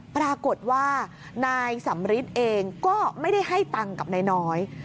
ปรากฏว่านายสำริทเองก็ไม่ได้ให้ตังค์กับนายน้อย